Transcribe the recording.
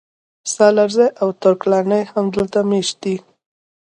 سالارزي او ترک لاڼي هم دلته مېشت دي